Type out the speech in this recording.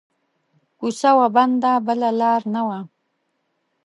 کو څه وه بنده بله لار نه وه